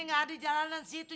nggak ada jalanan situ